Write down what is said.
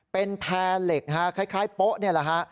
เป็นแพร่เหล็กฮะคล้ายโป๊ะนี่แหละฮะ